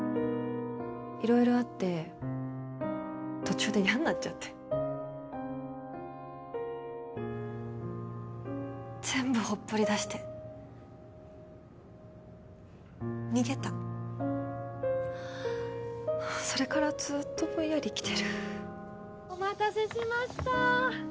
色々あって途中で嫌んなっちゃって全部ほっぽりだして逃げたそれからずーっとぼんやり生きてるお待たせしましたー